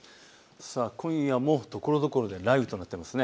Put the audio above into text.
今夜もところどころで雷雨となっています。